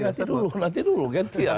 ya nanti dulu nanti dulu